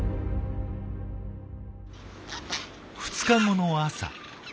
２日後の朝。